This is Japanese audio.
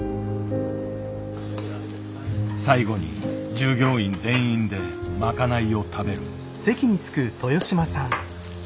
最後に従業員全員で賄いを食べる。